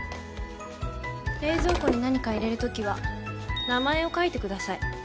冷蔵庫に何か入れる時は名前を書いてください。